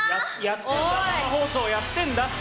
生放送やってんだって！